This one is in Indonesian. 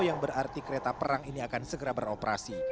yang berarti kereta perang ini akan segera beroperasi